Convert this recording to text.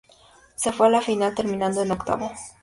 Se fue a la final, terminando en octavo.